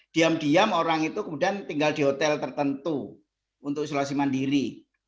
diam diam orang itu kemudian tinggal di hotel tertentu untuk isolasi mandiri